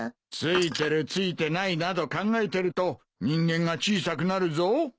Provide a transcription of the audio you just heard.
ついてるついてないなど考えてると人間が小さくなるぞ。